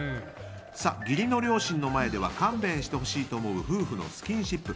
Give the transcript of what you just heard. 義理の両親の前では勘弁してほしいと思う夫婦のスキンシップ。